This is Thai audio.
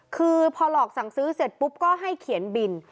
คือพอหลอกสั่งซื้อเสร็จปุ๊บก็ให้เขียนบิน